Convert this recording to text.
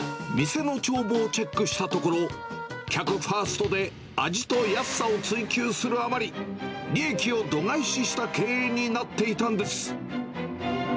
店の帳簿をチェックしたところ、客ファーストで味と安さを追求するあまり、利益を度外視した経営になっていたんです。